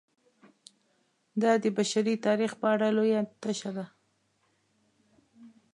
دا د بشري تاریخ په اړه لویه تشه ده.